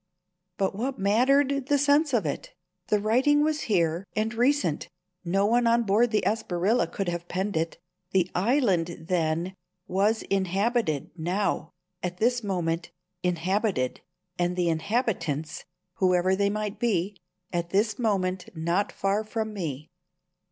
But what mattered the sense of it? The writing was here, and recent. No one on board the Espriella could have penned it. The island, then, was inhabited now, at this moment inhabited, and the inhabitants, whoever they might be, at this moment not far from me.